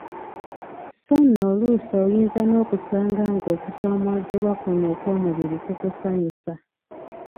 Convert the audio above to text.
So nno oluusi oyinza nokwesanga nga okusoomoozebwa kuno okw'omubiri kukusanyusa.